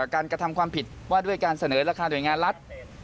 กระทำความผิดว่าด้วยการเสนอราคาหน่วยงานรัฐ